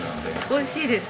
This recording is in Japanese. おいしいです。